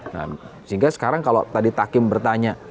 nah sehingga sekarang kalau tadi takim bertanya